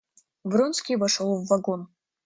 Вронский вошел в вагон.